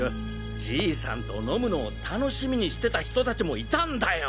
じいさんと飲むのを楽しみにしてた人たちもいたんだよ。